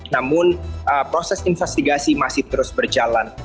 namun proses investigasi masih terus berjalan